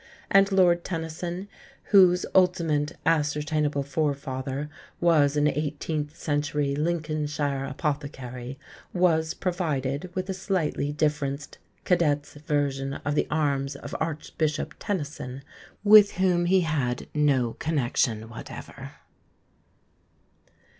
'" And Lord Tennyson, whose ultimate ascertainable forefather was an eighteenth century Lincolnshire apothecary, was provided with a slightly differenced cadet's version of the arms of Archbishop Tenison, with whom he had no connection whatever.